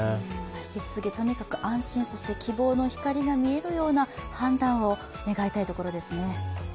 引き続きとにかく安心、希望の光が見えるような判断を願いたいところですね。